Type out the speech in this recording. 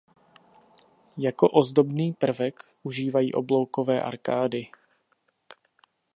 Jako ozdobný prvek užívají obloukové arkády.